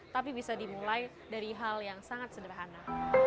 tapi bisa dimulai dari hal yang sangat sederhana